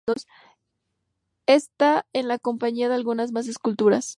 Está en la compañía de algunas más esculturas.